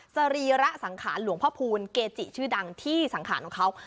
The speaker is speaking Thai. สรีระสังขารหลวงพ่อพูลเกจิชื่อดังที่สังขารของเขา